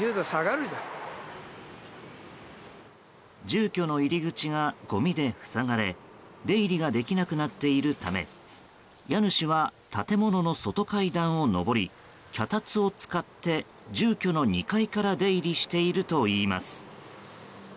住居の入り口がごみで塞がれ出入りができなくなっているため家主は、建物の外階段を上り脚立を使って住居の２階から出入りしているといいます。